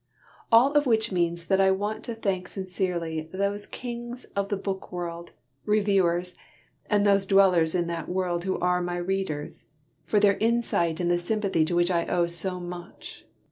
_ _All of which means that I want to thank sincerely those kings of the Book World Reviewers and those dwellers in that world who are my Readers, for their insight and the sympathy to which I owe so much.